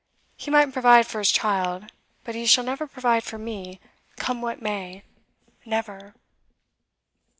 He might provide for his child, but he shall never provide for me, come what may never!